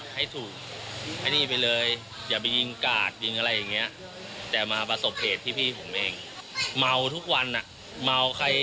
ให้ถูกให้นี่ไปเลย